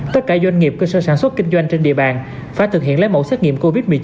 tất cả doanh nghiệp cơ sở sản xuất kinh doanh trên địa bàn phải thực hiện lấy mẫu xét nghiệm covid một mươi chín